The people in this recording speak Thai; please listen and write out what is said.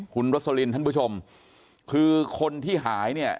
คุณรสลินท่านผู้ชมคือคนที่หายเนี่ย